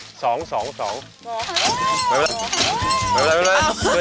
ไม่เป็นไรไม่เป็นไรไม่เป็นไร